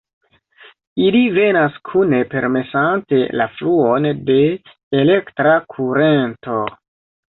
Ili venas kune permesante la fluon de elektra kurento.